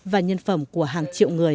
và nhân phẩm của hàng triệu người